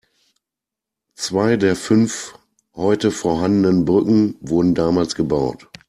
Zwei der fünf heute vorhandenen Brücken wurden damals gebaut.